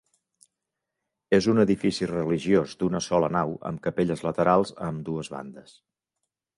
És un edifici religiós d'una sola nau amb capelles laterals a ambdues bandes.